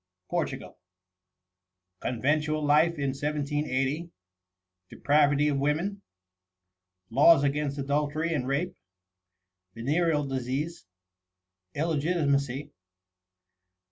PORTUGAL. Conventual Life in 1780. Depravity of Women. Laws against Adultery and Rape. Venereal Disease. Illegitimacy.